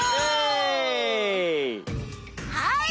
はい。